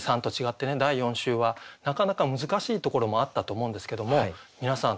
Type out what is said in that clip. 第４週はなかなか難しいところもあったと思うんですけども皆さん